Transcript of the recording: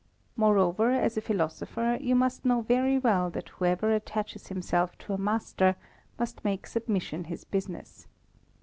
Moreover, as a philosopher, you must know very well that whoever attaches himself to a master must make submission his business.